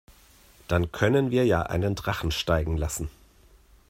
Dann können wir ja einen Drachen steigen lassen.